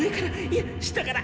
いや下から。